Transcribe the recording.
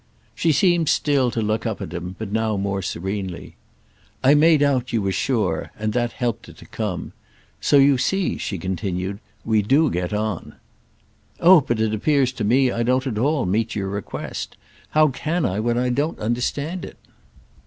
She seemed still to look up at him, but now more serenely. "I made out you were sure—and that helped it to come. So you see," she continued, "we do get on." "Oh but it appears to me I don't at all meet your request. How can I when I don't understand it?"